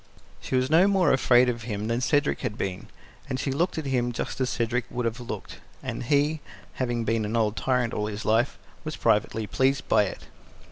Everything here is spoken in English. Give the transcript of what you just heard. She was no more afraid of him than Cedric had been, and she looked at him just as Cedric would have looked, and he, having been an old tyrant all his life, was privately pleased by it.